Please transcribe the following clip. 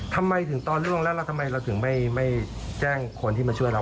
ทำไมถึงตอนล่วงแล้วเราทำไมเราถึงไม่แจ้งคนที่มาช่วยเรา